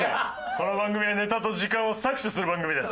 この番組はネタと時間を搾取する番組だ！